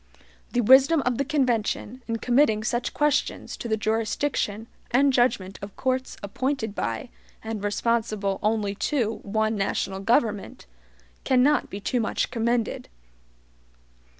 The wisdom of the convention, in committing such questions to the jurisdiction and judgment of courts appointed by and responsible only to one national government, cannot be too much commended.